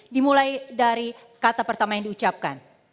dimulai dari kata pertama yang diucapkan